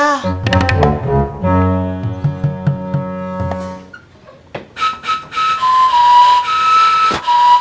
udah buatin aja